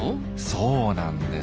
そうなんです。